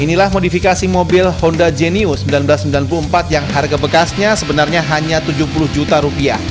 inilah modifikasi mobil honda genius seribu sembilan ratus sembilan puluh empat yang harga bekasnya sebenarnya hanya rp tujuh puluh juta rupiah